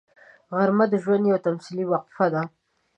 غرمه د ژوند یوه تمثیلي وقفه ده